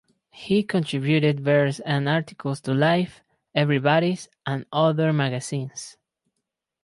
He contributed verse and articles to "Life", "Everybody's", and other magazines.